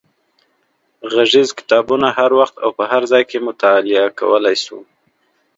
غږیز کتابونه هر وخت او په هر ځای کې مطالعه کولای شو.